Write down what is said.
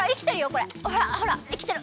これほらほらいきてる。